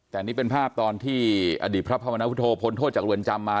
แต่นี่เป็นภาพตอนที่อดีตพระพมนวุฒโธพ้นโทษจากเรือนจำมา